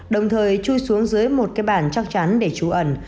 đồng thời chui xuống dưới một cái bàn chắc chắn để chú ẩn